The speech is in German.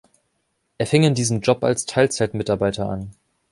Er fing in diesem Job als Teilzeit-Mitarbeiter an.